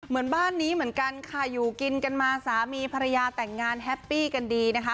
เหมือนบ้านนี้เหมือนกันค่ะอยู่กินกันมาสามีภรรยาแต่งงานแฮปปี้กันดีนะคะ